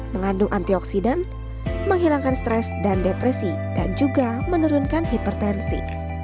mengandung antioksidan menghilangkan stres dan depresi dan juga menurunkan hipertensi